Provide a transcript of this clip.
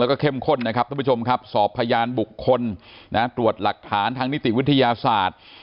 แล้วก็เข้มข้นนะครับท่านผู้ชมครับสอบพยานบุคคลตรวจหลักฐานทางนิติวิทยาศาสตร์